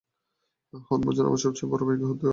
Hormuzan আমার সবচেয়ে বড় ভাইকে হত্যা করেছে।